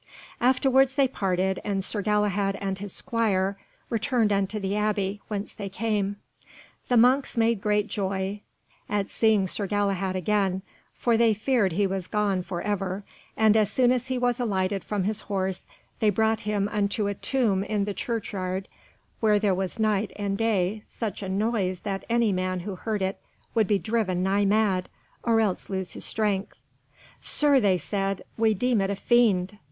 Afterwards they parted, and Sir Galahad and his squire returned unto the Abbey whence they came. The monks made great joy at seeing Sir Galahad again, for they feared he was gone for ever; and as soon as he was alighted from his horse they brought him unto a tomb in the churchyard where there was night and day such a noise that any man who heard it would be driven nigh mad, or else lose his strength. "Sir," they said, "we deem it a fiend."